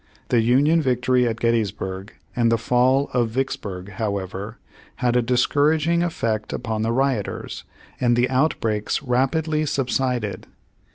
The Union victory at Gettysburg and the fall of Vicksburg, however, had a discouraging effect upon the rioters, and the outbreaks rapidly subsided.